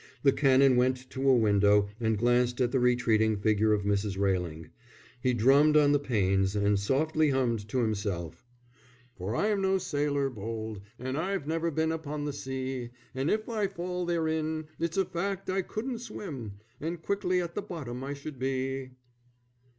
The Canon went to a window and glanced at the retreating figure of Mrs. Railing. He drummed on the panes and softly hummed to himself: "For I'm no sailor bold, And I've never been upon the sea; And if I fell therein, it's a fact I couldn't swim, _And quickly at the bottom I should be.